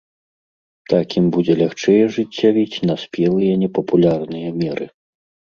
Так ім будзе лягчэй ажыццявіць наспелыя непапулярныя меры.